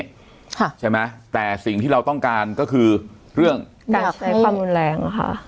ค่ะใช่ไหมแต่สิ่งที่เราต้องการก็คือเรื่องการใช้ความรุนแรงค่ะ